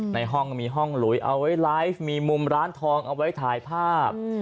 ในห้องมีห้องหลุยเอาไว้ไลฟ์มีมุมร้านทองเอาไว้ถ่ายภาพ